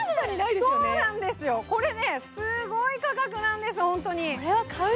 これ、すごい価格なんです、ホントに。